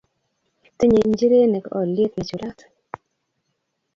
Tinyei njirenik olyet nechulat